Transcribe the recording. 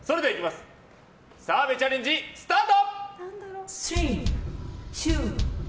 澤部チャレンジスタート！